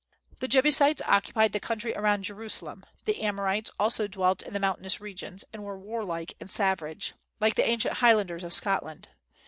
The Jebusites occupied the country around Jerusalem; the Amorites also dwelt in the mountainous regions, and were warlike and savage, like the ancient Highlanders of Scotland.